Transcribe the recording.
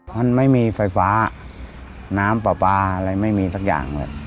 มันไม่มีไฟฟ้าน้ำปลาปลาอะไรไม่มีสักอย่างเลย